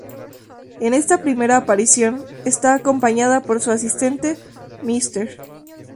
En esta primera aparición, está acompañada por su asistente Mr.